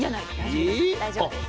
大丈夫です。